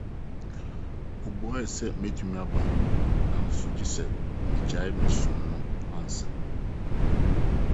Obuae sɛ metumi aba — nanso gye sɛ migyae me som no ansa.